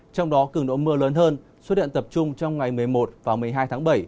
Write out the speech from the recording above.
trong đó cường độ mưa lớn hơn xuất hiện tập trung trong ngày một mươi một và một mươi hai tháng bảy